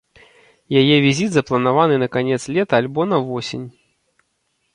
Яе візіт запланаваны на канец лета альбо на восень.